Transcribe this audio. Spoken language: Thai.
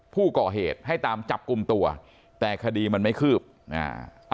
ผู้ก่อเหตุให้ตามจับกลุ่มตัวแต่คดีมันไม่คืบอ่า